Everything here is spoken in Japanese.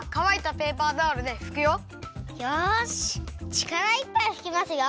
ちからいっぱいふきますよ！